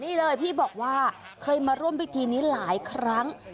นี่เลยพี่บอกว่าเคยมาร่วมพิธีนี้หลายครั้ง